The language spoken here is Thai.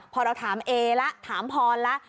พอเราถามเอละถามพรแล้ว